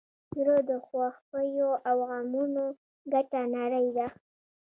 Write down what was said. زړه د خوښیو او غمونو ګډه نړۍ ده.